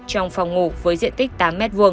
trong phòng ngủ với diện tích tám m hai